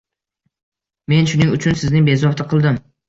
Men shuning uchun sizni bezovta qildim.